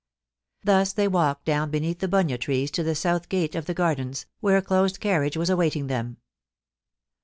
Thus they walked down beneath the bunya trees to the south gate of the Gardens, where a closed carriage was awaiting them.